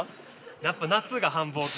やっぱ夏が繁忙期。